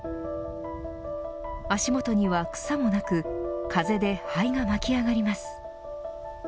足元には草もなく風で灰が巻き上がります。